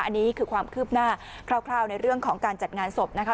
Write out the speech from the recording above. อันนี้คือความคืบหน้าคร่าวในเรื่องของการจัดงานศพนะคะ